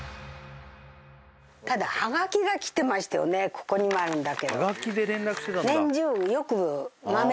ここにもあるんだけど。